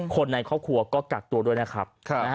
คนในครอบครัวก็กักตัวด้วยนะครับ